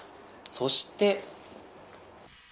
そして。